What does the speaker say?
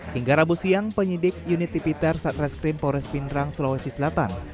hingga rabu siang penyidik unit tipiter satreskrim pores pindrang sulawesi selatan